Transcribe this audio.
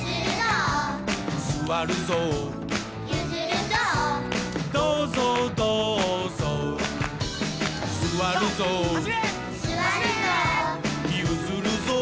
「すわるぞう」「どうぞうどうぞう」「すわるぞう」「ゆずるぞう」